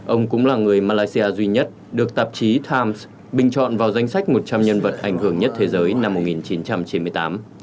ông cũng là người malaysia duy nhất được tạp chí times bình chọn vào danh sách một trăm linh nhân vật ảnh hưởng nhất thế giới năm một nghìn chín trăm chín mươi tám